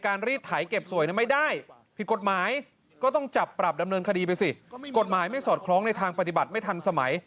กฎหมายไม่สอดคล้องในทางปฏิบัติไม่ทันสมัย